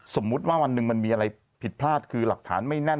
สมมุติว่าวันหนึ่งมันมีอะไรผิดพลาดคือหลักฐานไม่แน่น